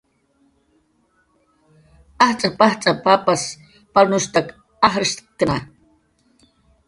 "Ajtz'ap"" ajtz'ap"" papas palnushtak ajshktna"